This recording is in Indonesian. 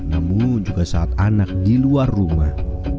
namun juga saat anak di luar rumah